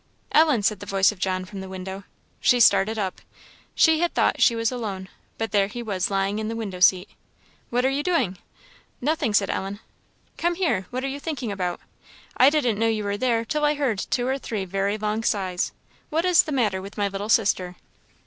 "Ellen!" said the voice of John from the window. She started up; she had thought she was alone; but there he was lying in the window seat. "What are you doing?" "Nothing," said Ellen. "Come here. What are you thinking about? I didn't know you were there till I heard two or three very long sighs. What is the matter with my little sister?"